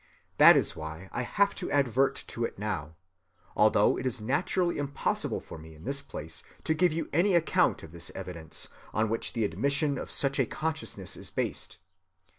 That is why I have to advert to it now, although it is naturally impossible for me in this place to give you any account of the evidence on which the admission of such a consciousness is based.